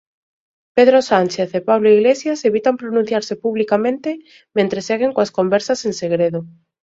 Pedro Sánchez e Pablo Iglesias evitan pronunciarse publicamente mentres seguen coas conversas en segredo.